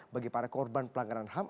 bagi para korban pelanggaran ham